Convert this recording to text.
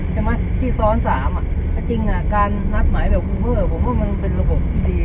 ใช่ไหมที่ซ้อน๓แต่จริงการนัดหมายแบบูเวอร์ผมว่ามันเป็นระบบดี